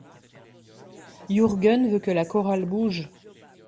Jurgen veut que la chorale bouge.